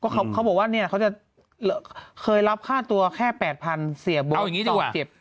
เขาบอกว่าเคยรับค่าตัวแค่๘๐๐๐บาทเสียบท๒๐บาท